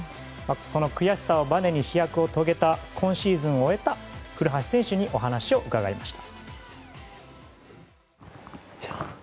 この悔しさをばねに飛躍を遂げた今シーズンを終えた古橋選手にお話を伺いました。